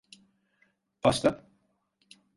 Pasta?